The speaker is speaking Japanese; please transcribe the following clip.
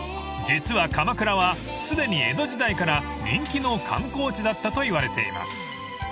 ［実は鎌倉はすでに江戸時代から人気の観光地だったといわれています］